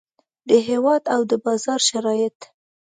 د هیواد او د بازار شرایط.